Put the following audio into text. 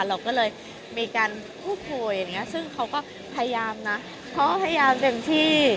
เราก็เลยมีการพูดคุยอะไรอย่างนี้ซึ่งเขาก็พยายามนะเขาก็พยายามเต็มที่